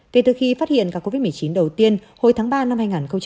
kể từ khi phát hiện ca covid một mươi chín đầu tiên hồi tháng ba năm hai nghìn hai mươi